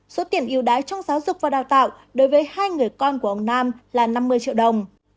số tiền yêu đái trong giáo dục và đào tạo đối với hai người con của ông nam là năm mươi triệu đồng